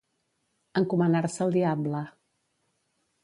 Encomanar-se al diable.